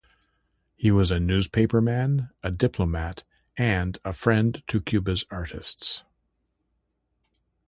He was a newspaperman, a diplomat, and a friend to Cuba's artists.